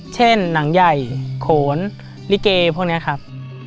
หนังใหญ่โขนลิเกพวกนี้ครับ